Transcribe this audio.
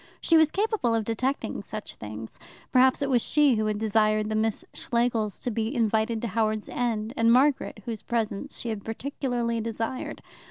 She was capable of detecting such things. Perhaps it was she who had desired the Miss Schlegels to be invited to Howards End, and Margaret whose presence she had particularly desired.